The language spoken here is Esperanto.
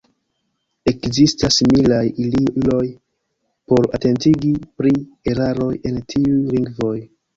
Ekzistas similaj iloj por atentigi pri eraroj en tiuj lingvoj.